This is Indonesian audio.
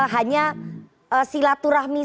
hanya silaturahmi saja